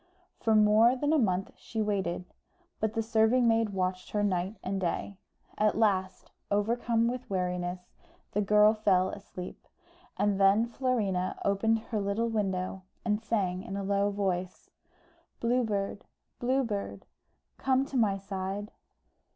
For more than a month she waited; but the serving maid watched her night and day. At last, overcome with weariness, the girl fell asleep, and then Florina opened her little window, and sang in a low voice "Blue Bird, Blue Bird, Come to my side."